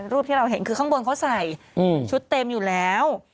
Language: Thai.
รูปที่เราเห็นคือข้างบนเขาใส่ชุดเต็มอยู่แล้ว